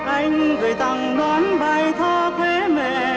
anh gửi tặng nón bài thơ thế mẹ